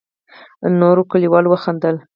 نورو کليوالو وخندل.